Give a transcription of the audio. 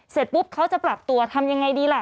เสร็จปุ๊บเขาจะปรับตัวทำยังไงดีล่ะ